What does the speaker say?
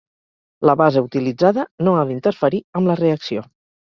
La base utilitzada no ha d'interferir amb la reacció.